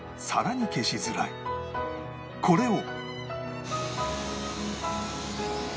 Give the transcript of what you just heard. これを